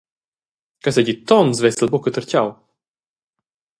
Ch’ei seigi tons, vess el buca tertgau.